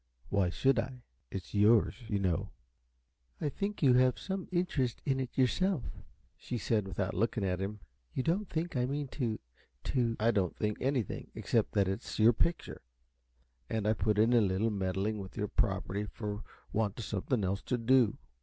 Why should I? It's yours, you know." "I think you have some interest in it yourself," she said, without looking at him. "You don't think I mean to to " "I don't think anything, except that it's your picture, and I put in a little time meddling with your property for want of something else to do.